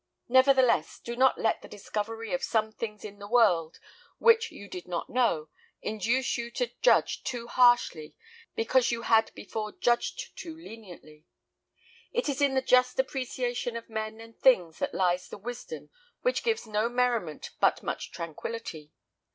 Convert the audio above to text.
Nevertheless, do not let the discovery of some things in the world, which you did not know, induce you to judge too harshly because you had before judged too leniently. It is in the just appreciation of men and things that lies the wisdom which gives no merriment but much tranquillity.